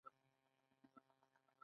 بررسي او نظارت او تفتیش سره توپیر لري.